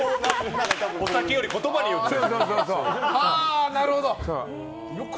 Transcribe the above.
お酒より言葉に酔ってる。